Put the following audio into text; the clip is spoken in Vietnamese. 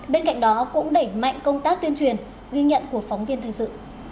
bên cạnh đó cũng đẩy mạnh công tác tuyên truyền ghi nhận của phóng viên thành sự